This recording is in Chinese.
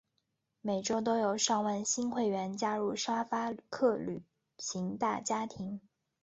每周都有上万新会员加入沙发客旅行大家庭。